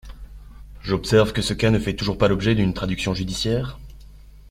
J’observe que ce cas ne fait toujours pas l’objet d’une traduction judiciaire.